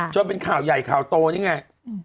จนเป็นข่าวใหญ่ข่าวโตนี่ไง